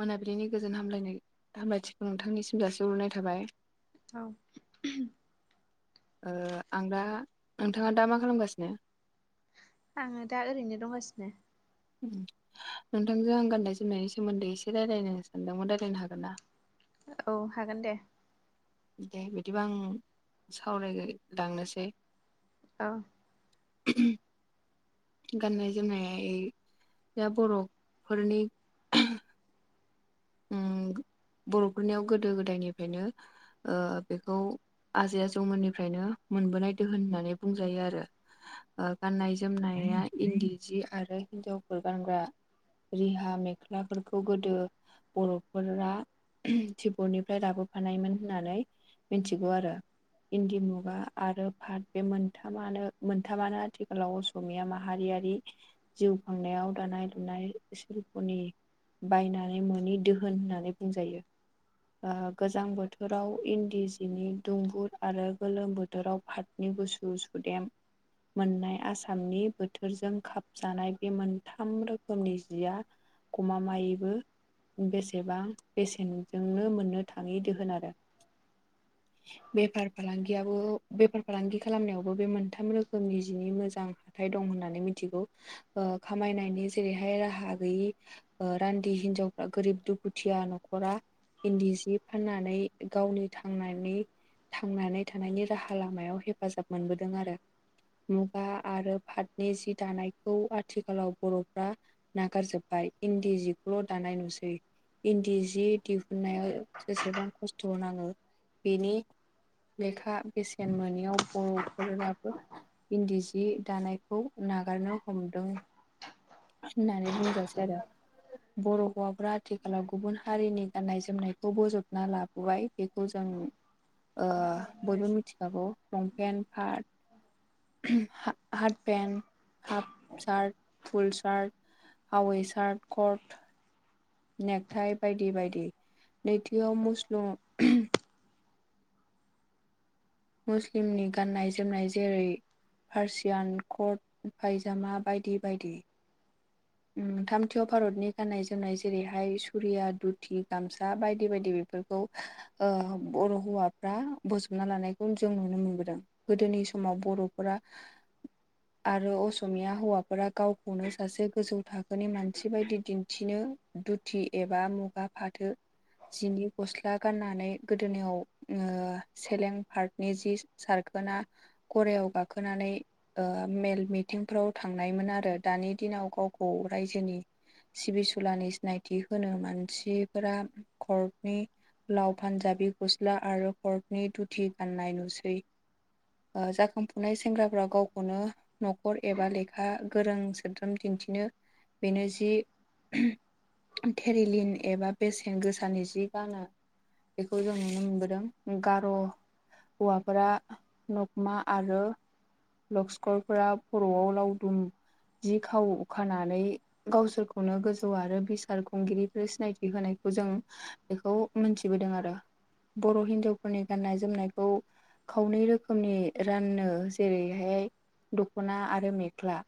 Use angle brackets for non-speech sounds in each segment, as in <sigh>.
मोनाबिलिनि गोजोन हामलायनाय हामलायथिखौ नोंथांनिसिम जासि हरनाय थाबाय। औ आं दा, नोंथाङा दा मा खालामगासिनो? आङो दा ओरैनो दंगासिनो। नोंथांजों आं गान्नाय जोमनायनि सोमोन्दै एसे रायज्लायनो सानदोंमोन रायज्लायनो हागोन ना? औ हागोन दे। दे बिदिबा आं सावरायलांनोसै। औ गाननाय जोमनाया बर'फोरनि उम बर'फोरनियाव गोदो गोदायनिफ्रायनो बेखौ आजै आजौमोननिफ्रायनो मोनबोनाय दोहोन होननानै बुंजायो आरो। ओ गाननाय जोमनाया इन्दि जि आरो हिन्जावफोर गानग्रा रिहा मेख्लाफोरखौ गोदो बर'फोरा तिपबतनिफ्राय लाबोफानायमोन होननानै मिथिगौ आरो। इन्दि मुगा आरो पात बे मोनथामानो मोनथामानो आथिखालाव असमिया माहारियारि जिउ खांनायाव दानाय लुनाय सिल्पनि बायनानै मोनि दोहोन होननानै बुंजायो गोजां बोथोराव इन्दि सिनि दुंगुर आरो गोलोम बोथोराव फ नि गुसु सुदेम मोननाय आसामनि बोथोरजों खाबजानाय बे मोनथाम रोखोमनि जिया गमा मायैबो बेसेबां बेसेनजोंनो मोननो थाङि दोहोन आरो बेफार फालांगियाबो बेफार फालांगि खालामनायावबो बे मोनथाम रोखोम रोखोमनि जिनि मोजां हाथाइ दं होननानै मिथिगौ खामायनायनि जेरैहाय राहा गैयि रान्दि हिन्जावफ्रा गोरिब दुखुथिया न'खरा इन्दि सि फाननानै गावनि थां थांनानै थानायनि राहा लामायाव हेफाजाब मोनबोदों आरो मुगा आरो पाथनि जि दानायखौ आथिखालाव बर'फ्रा नागारजोब्बाय इन्दि जिखौ' दानाय नुसै इन्दि जि दिहुननायाव जेसेबां खस्थ' नाङो बेनि लेखा बेसेन मोनोैयाव बर'फोराबो इन्दि जि दानायखौ नागारनो हमदों होननानै बुंजासै आरो बर' हौवाफ्रा आथिखालाव गुबुन हारिनि गाननाय जोमनायखौ बोजबना लाबोबाय बेखौ जों बयबो मिथिखागौ long pant part half pant half shirt full shirt हावै सार्ट कर्ट नेगथाय बायदि बायदि नैथियाव मुसलुम मुस्लिमनि गाननाय जोमनाय जेरै पार्सियान कट फायजामा बायदि बायदि थामथियाव भारतनि गाननाय जोमनाय जेरैहाय सुरिया दधुथि गामसा बायदि बायदि बेफोरखौ बर' हौवाफ्रा बोजबना लानायखौ जों नुनो मोनबोदों गोदोनि समाव बर'फोरा आरो असमिया हौवाफोरा गावखौनो सासे गोजौ थाखोनि मानसि बायदि दिन्थिनो दुथि एबा मुगा फाथो जिनि गस्ला गाननानै गोदोनियाव सेलें पार्टनि जि सारखोना गरआव गाखोनानै मेल मिटिंफ्राव थांनायमोन आरो दानि दिनाव गावखौ रायजोनि सिबिसुलानि सिनायथि होनो मानसिफोरा कर्टनि लाव पान्जाबि गस्ला आरो हर्कनि धुथि गाननाय नुसै जाखांफुनाय सेंग्राफ्रा गावखौनो न'खर एबा लेखा गोरों सोद्रोम दिन्थिनो बेनो जि थेरिलिन एबा बेस् गोसानि जि गानो बेखौ जों नुनो मोनबोदों गार' हौवाफोरा नखमा आरो लक्सकरफोरा बर'आव लावदुम जि खाव खानानै गावसोरखौनो गो आरो बिसार खुंगिरिफोर सिनायथि होनायखौ जों बेखौ मोनथिबोदों आरो बर' हिन्जावफोरनि गाननाय जोमनायखौ खावनै रोखोमनि रानो जेरैहाय दख'ना आरो मेख्ला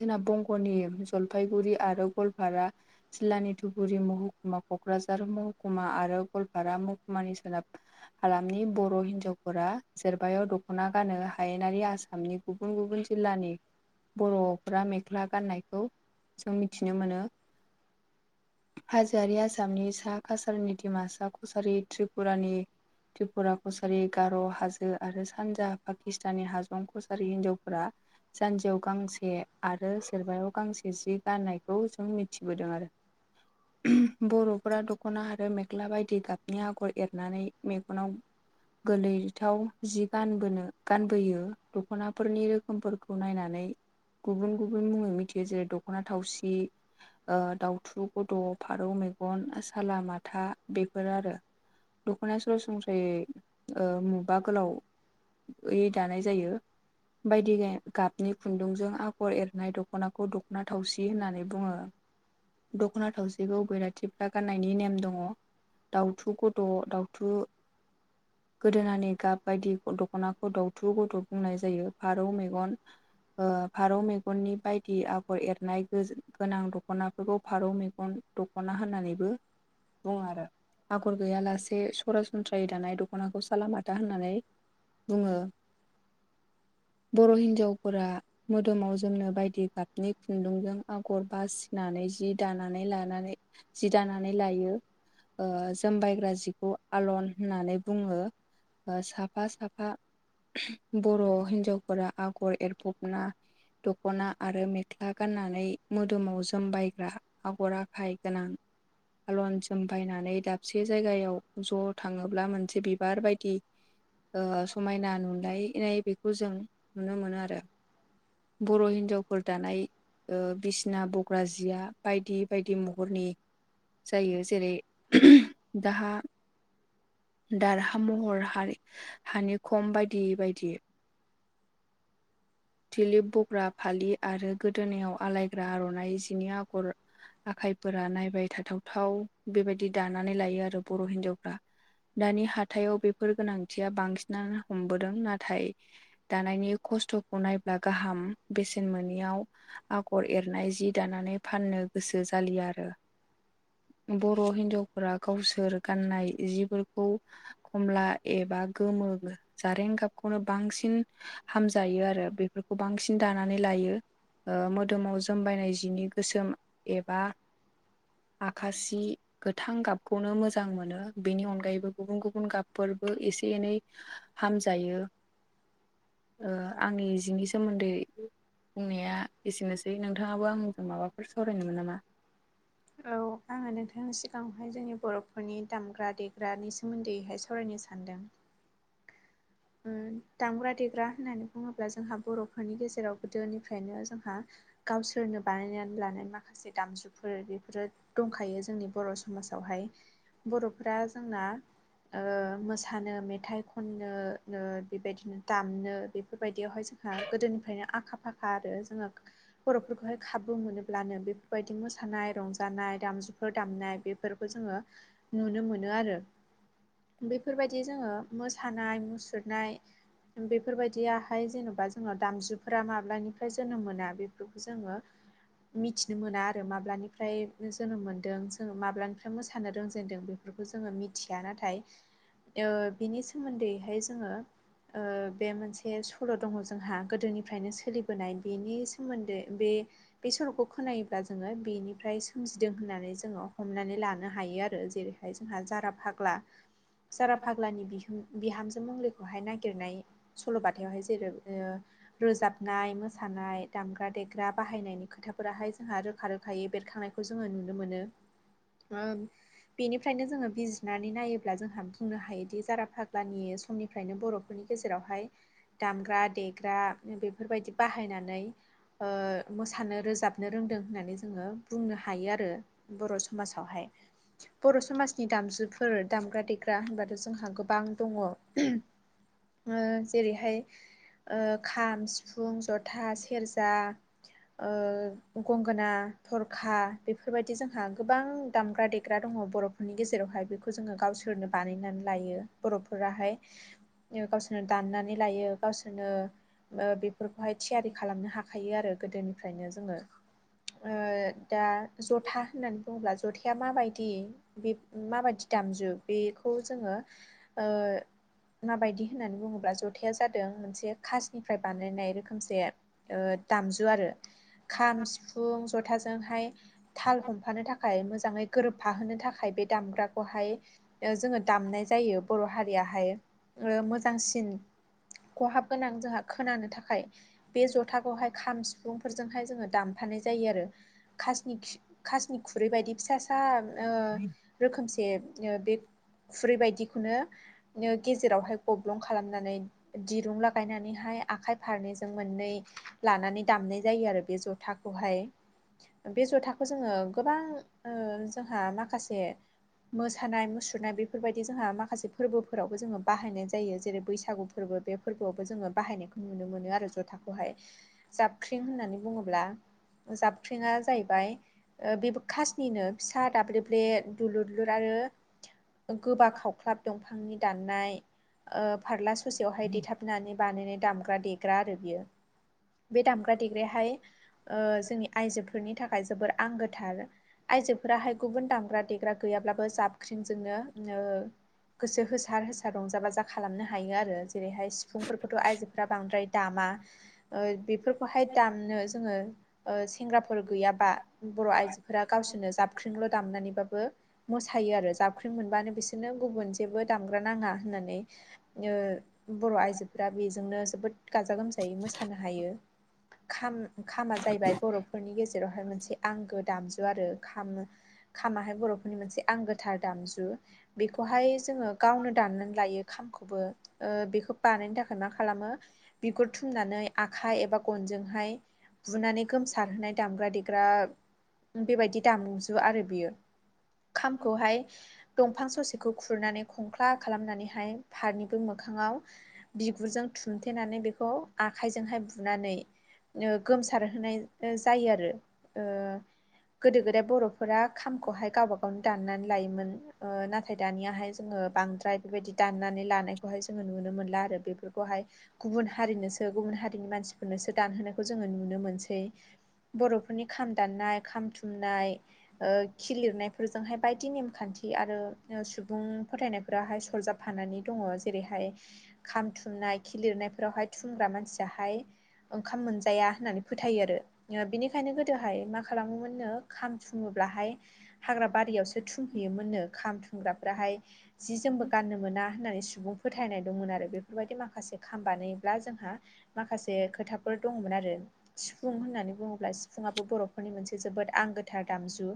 जोंनां गनि जलफाइगुरि आरो गवालपारा जिल्लानि धुबुरि महकुमा क'क्राझार महकुमा आरो गालपारा महकुमानि सोनाब हालामनि बर' हिन्जावफोरा जेरबायाव दख'ना गानो हायेनारि आसामनि गुबुन गुबुन जिल्लानि बर'फ मे गख्ला गाननायखौ जों मिथिनो मोनो हाजोआरि आसामनि सा कासारिनि दिमा सा कसारि त्रिपुरानि त्रिपुरा कसारि गार' हाजो आरो सानजा पाकिस्ताननि हाजं कसारि हिनजावफोरा सानजौ गांसे आरो सोरबायाव गांसे जि गाननायखौ जों मिथिबोदों आरो। बर'फोरा दख'ना आरो मेख्ला बायदि गाबनि आगर एरनानै मेगनाव गोलैथाव जि गानबोनो गानबोयो दख'नाफोरनि रोखोमफोरखौ नायनानै गुबुन गुबुन मुङै मिथियो जेरै दख'ना थावसि ओ दाउथु गद' फारौ मेगन साला माथा बेफोरो आरो। दख'ना सरासनस्रायै ओ मुगा गोलावैै दानाय जायो। बायदि गे गाबनि खुन्दुंजों आ गर एरनाय दख'नाखौ दख'ना थावसि होननानै बुङो। दख'ना थावसिखौ बैराथिफ्रा गाननायनि नेम दङ। दाउथु गद' दाउथु गोदोनानि गाब बायदि दख'नाखौ दावउथु गथ' बुंनाय जायो फारौ मेगन ओ फारौ मेगननि बायदि आगर एरनायखोजो गोनां दख'नाखोबौ फारौ मेग गन दख'ना होननानैबो बुङो आरो। आगर गैयालासे सरासनस्रायै दानाय दख'नाखौ सालामाथा होननानै बुङो बर' हिन्जावफोरा मोदोमाव जोमनो बायदि गाबनि खुन्दुंजों आगर बासिनानै जि दानानै लानानै जि दानानै लायो। ओ जोमबायग्रा जिखौ आलन होननानै बुङो। ओ साफा साफा बर' हिनजावफोरा आगर एरफब ना दख'ना आरो मेख्ला गाननानै मोदोमाव जोमबायग्रा आबर आफाय गोनां आलन जोमफायनानै दाबसे जायगायाव ज' थाङोब्ला मोनसे बिबार बायदि ओ समायना नुलायनाय बेखौ जों नुनो मोनो आरो। बर' हिन्जावफोर दानाय ओ बिसना बग्रा जिया बायदि बायदि महरनि जायो जेरै दाहा दारहा महर हारि हानि खम बायदि बायदि थिलिप बग्रा फालि आरो गोदोनायाव आलायग्रा आर'नाइ जिनि आगर आखाइफोरा नायबाय थाथावथाव बेबायदि दानानै लायो आरो बर' हिन्जावफ्रा। दानि हाथायाव बेफोर गोनांथिया बांसिनानो हमबोदों नाथाय दानायनि खस्थ'खौ नायब्ला गाहाम बेसेन मोनियाव आगर एरनाय जि दानानै फाननो गोसो जालिया आरो। बर' हिनजावफोरा गावसोर गाननाय जिफोरखौ खमला एबा गोमो जारें गाबखौनो बांसिन हामजायो आरो बेफोरखौ बांसिन दानानै लायो। ओ मोदोमाव जोमबायनाय जिनि गोसोम एबा आखासि गोथां गाबखौनो मोजां मोनो बेनि अनगायैबो गुबुन गुबुन गाबफोरबो एसे एनै हामजायो ओ आंनि जिनि सोमोन्दै बुंनाया एसेनोसै नोंथाङाबो आंजों माबाफोर सावरायनोमोन नामा? <inaudible> आ नोंथां सिगाङावहाय जोंनि बर'फोरनि दामग्रा देग्रानि सोमोन्दैहाय सावरायनो सानदों। उ दामग्रा देग्रा होननानै बुङोब्ला जोंहा बर'फोरनि गेजेराव गोदोनिफ्रायनो जोंहा गावसोरनो बानायनानै लानाय माखासे दामजुफोर बेफोरो दंखायो जोंनि बर' समाजावहाय बर'फोरा जोंना ओ मोसानो मेथाइ खननो नो बेबायदिनो दामनो बेफोरबायदियावहाय जोंहा गोदोनिफ्रायनो आखा फाखा आरो जोङो बर'फोरखौहाय खाबु मोनोब्लानो बेफोरबायदि मोसानाय, रंजानाय, दामजु फोर दामनाय बेफोरखौ जोङो नुनो मोनो आरो। बेफोरबायदि जोङो मोसानाय, मुसुरनाय बेफोरबायदियाहाय जेन'बा जोंनाव दामजुफोरा माब्लानिफ्राय जोनोम मोना बेफोरखौ जोङो मिथिनो मोना आरो माब्लानिफ्राय जोनोम मोन्दों जोङो माब्लानिफ्राय मोसानो रोंजेनदों बे बेफोरखौ जोङो मिथिया नाथाय ओ बिनि सोमोन्दैहाय जोङो ओ बे मोनसे सल' दङ जोंहा गोदोनिफ्रायनो सोलिबोनाय बेनि सोमोन्दै बे बे सल'खौ खोनायोब्ला जोङो बेनिफ्राय सोमजिदों होननानै जोङो हमनानै लानो हायो आरो जेरै ओमफ्राय जोंहा जारा फाग्ला <inaudible> जारा फाग्लानि बिह बिहामजो मंग्लिखौहाय नागिरनाय सल'बाथायावहाय जेरै ओ रोजाबनाय मोसानाय दामग्रा देग्रा बाहायनायनि खोथाफोराहाय जोंहा रोखा -रोखा <unintelligible> बेरखांनायखौ जोङो नुनो मोनो। बेनिफ्रायनो जोङो बिजिरनानै नायोब्ला जोंहा बुंनो हायोदि जारा फाग्लानि समनिफ्रायनो बर'फोरनि गेजेरावहाय दामग्रा -देग्रा बेफोरबायदि बाहायनानै ओ मोसानो रोजाबनो रोंदों होननानै जोङो बुंनो हायो आरो। बर' समाजावहाय। बर' समाजनि दामजुफोर दामग्रा, देग्रा होनबाथ' जोंहा गोबां दङ। औ जेरैहाय औ खाम, सिफुं, जथा, सेरजा ओ गंगोना, थरखा बेफोरबायदि जोंहा गोबां दामग्रा, देग्रा दङ बर'फोरनि गेजेरावहाय बेखौ जोङो गावसोरनो बानायनानै लायो। बर'फोराहाय गावसोरनो दाननानै लायो गावसोरनो ओ बेफोरखौहाय थियारि खालामनो हाखायो आरो गोदोनिफ्रायनो जोङो। ओ दा जथा होननानै बुङोब्ला जथाया माबायदि बे माबायदि दामजु बेखौ जोङो ओ माबायदि होननानै बुङोब्ला जथाया जादों मोनसे खासनिफ्राय बानायनाय रोखोमसे दामजु आरो। खाम, सिफुं, जथाजोंहाय थाल हमफानो थाखाय मोजाङै गोरोबफाहोनो थाखाय बे दामग्राखौहाय जोङो दामनाय जायो बर' हारियाहाय ओ‌ मोजांसिन खहाब गोनां जोंहा खोनानो थाखाय बे जथाखौहाय खाम सिफुंफोरजोंहाय जोङो दामफानाय जायो आरो। खासनि खासनि खुरै बायदि फिसा फिसा ओ रोखोमसे ओ बे खुरै बायदिखौनो गेजेरावहाय गब्लं खालामनानै दिरुं लागायनानैहाय आखाइ फारनैजों मोननै लानानै दामनाय जायो आरो बे जथाखौहाय‌। बे जथाखौ जोङो गोबां ओ जोंहा माखासे मोसानाय मुसुरनाय बेफोरबायदि जोंहा माखासे फोरबोफोराव जोङो बाहायनाय जायो जेरै बैसागु फोरबो बे फोरबोआवबो जोङो बाहायनायखौ नुनो मोनो आरो ज'थाखौहाय जाबख्रिं होननानै बुङोब्ला जाबख्रिंया जाहैबाय ओ बेबो खासनिनो फिसा दाब्लेब्ले दुलुर -दुलुर आरो। गोबा खावख्लाब दंफांनि दानना ओ फारला ससेयावहाय देथाबनानै बानायनाय दामग्रा देग्रा आरो बियो बे दामग्रा देग्राहाय ओ जोंनि आइजोफोरनि थाखाय जोबोर आंगोथार आइजोफोराहाय गुबुन दामग्रा देग्रा गैयाब्लाबो जाबख्रिंजोंनो ओ गोसो होस सार होसार रंजा बाजा खालामनो हायो आरो जेरैहाय सिफुंफोरखौथ' आइजोफ्रा बांद्राय दामा ओ बेफोरखौहाय दामनो जोङो ओ सेंग्राफोर गैयाबा बर' आइजोफोरा गावसोरनो जाबख्रिंल' दामनानैबाबो मोसायो आरो जाबख्रिं मोनबानो बिसोरनो गुबुन जेबो दामग्रा नाङा होननानै ओ बर' आइजोफोरा बेजों जोंनो जोबोद गाजा गोमजायै मोसानो हायो। खाम खामा जाहैबाय बर'फोरनि गेजेरावहाय मोनसे आंगो दामजु आरो खाम खामाहाय बर'फोरनि मोनसे आंगोथार दामजु बेखौहाय जोङो गावनो दाननानै लायो। खामखौबो ओ बेखौ बानायनो थाखाय मा खालामो बिगुर थुमनानै आखाइ एबा गनजोंहाय बुनानै गोम सारहोनाय दामग्रा देग्रा बेबायदि दामुजु आरो बियो खामखौहाय दंफां ससेखौ खुरनानै ख्ला खालामनानैहाय फारनिबो मोखाङाव बिगुरजों थुमथेनानै बेखौ आखाइजोंहाय बुनानै ओ गोमसारहोनाय जायो आरो ओ गोदो गोदाय बर'फोरा खामखौहाय गावबा गावनो दाननानै लायोमोन ओ नाथाय दानियाहाय जोङो बांद्राय बेबायदि दाननानै लानायखौहाय जोङो नुनो मोनला आरो बेफोरखौहाय गुबुन हारिनोसो गुबुन हारिनि मानसिफोरनोसो दानहोनायखौ जोङो नुनो मोनसै बर'फोरनि खाम दाननाय खाम थुमनाय खि लिरनायफोरजोंहाय बायदि नेमखान्थि आरो सुबुं फोथायनायफोराहाय सरजाबफानानै दङ जेरैहाय खाम थुमनाय खि लिरनायफोरावहाय थुनग्रा मानसियाहाय ओंखाम मोनजाया होननानै फोथायो आरो ओ बिनिखायनो गोदोहाय मा खालामोमोननो खाम थुङोब्लाहाय हाग्रा बारियावसो थुंहैयोमोन नो खाम थु खामग्राफ्राहाय जि जोमबो गाननो मोना होननानै सुबुं फोथायनाय दंमोन आरो बेफोरबायदि माखासे खाम बानायोब्ला जोंहा माखासे खोथाफोर दंमोन आरो। सिफुं होननानै बुङोब्ला सिफुआबो बर'फोरनि मोनसे जोबोद आंगोथार दामजु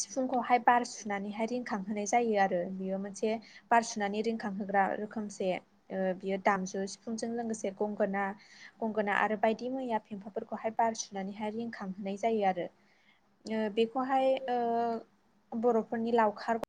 सिफुंखौहाय बार सुनानैहाय रिंखांहोनाय जायो आरो बेयो मोनसे बार सुनानै रिंखांहोग्रा रोखोमसे ओ बियो दामजु सिफुंजों लोगोसे गंगोना गंगोना आरो बायदि मैया फम्फाफोरखौहाय बारसुनानैहाय रिंखांहोनाय जायो आरो ओ बेखौहाय ओ बर'फोरनि लावखार